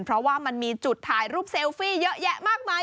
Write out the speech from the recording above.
เพราะว่ามันมีจุดถ่ายรูปเซลฟี่เยอะแยะมากมาย